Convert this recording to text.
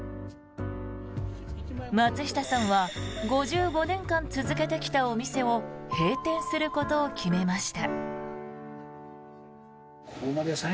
松下さんは５５年間続けてきたお店を閉店することを決めました。